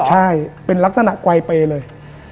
คุณแฟนใช่เป็นลักษณะไกวไปเลย